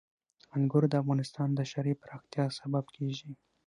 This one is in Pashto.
انګور د افغانستان د ښاري پراختیا سبب کېږي.